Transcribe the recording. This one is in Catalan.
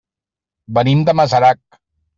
Venim de Masarac.